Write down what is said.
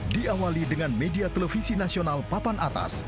diawali dengan media televisi nasional papan atas